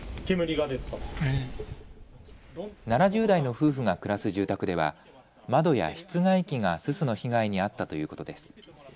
７０代の夫婦が暮らす住宅では窓や室外機がすすの被害に遭ったということです。